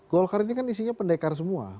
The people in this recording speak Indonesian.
golkar ini kan isinya pendekar semua